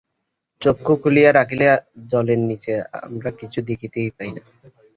চক্ষু খুলিয়া রাখিলেও জলের নীচে আমরা কিছুই দেখিতে পাই না।